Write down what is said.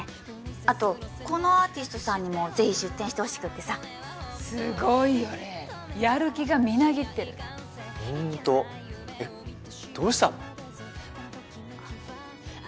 あとこのアーティストさんにもぜひ出展してほしくてさすごいよ黎やる気がみなぎってるホントえっどうしたの？